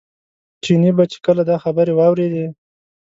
چیني به چې کله دا خبرې واورېدې.